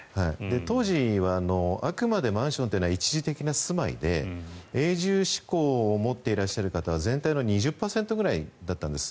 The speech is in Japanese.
当時はあくまでマンションというのは一時的な住まいで永住志向を持っていらっしゃる方は全体の２０％ぐらいだったんです。